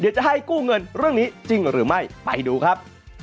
จะให้กู้เงินเรื่องนี้จริงหรือไม่ไปดูครับ